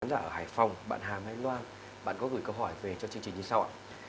các bạn ở hải phòng bạn hàm hay loan bạn có gửi câu hỏi về cho chương trình như sau ạ